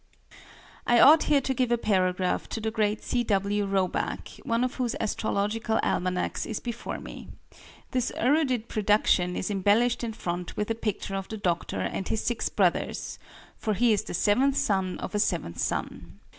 I ought here to give a paragraph to the great C. W. Roback, one of whose Astrological Almanacs is before me. This erudite production is embellished in front with a picture of the doctor and his six brothers for he is the seventh son of a seventh son.